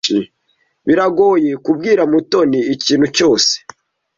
Biragoye kubwira Mutoni ikintu cyose.